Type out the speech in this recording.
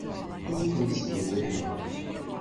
Ur kent-ttdewwiḥeɣ.